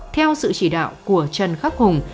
theo sự chỉ đạo của trần khắc hùng